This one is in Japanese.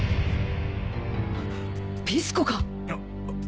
ピスコか！